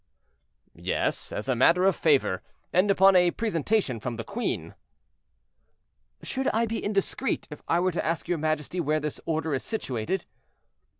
"Yes, as a matter of favor, and upon a presentation from the queen." "Should I be indiscreet if I were to ask your majesty where this order is situated?"